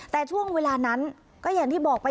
แต่ช่วงเวลานั้นก็อย่างที่บอกไป